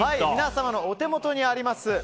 皆様のお手元にあります